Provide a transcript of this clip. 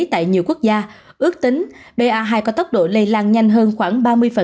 tại nhiều quốc gia ước tính ba hai có tốc độ lây lan nhanh hơn khoảng ba mươi